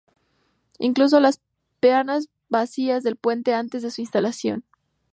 Incluso las peanas vacías del puente antes de su instalación.